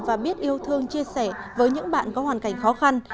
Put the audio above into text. và biết yêu thương chia sẻ với những bạn có hoàn cảnh khó khăn